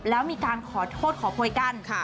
แล้วมีการขอโทษขอโพยกัน